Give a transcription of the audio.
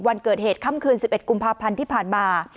วันเกิดเหตุค่ำคืน๑๑กุมภาพันธ์ที่ผ่านมา